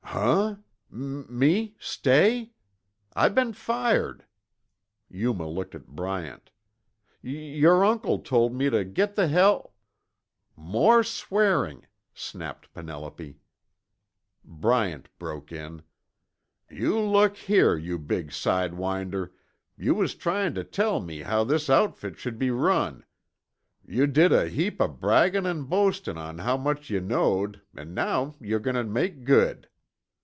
"Huh? M me stay? I been fired!" Yuma looked at Bryant. "Y yore uncle told me tuh git the hell " "More swearing," snapped Penelope. Bryant broke in. "You look here, you big sidewinder, you was tryin' tuh tell me how this outfit should be run. Yuh did a heap of braggin' an' boastin' on how much yuh knowed an' now yore goin' tuh make good.